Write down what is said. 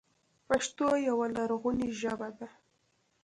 پښتو یوه لرغونې ژبه ده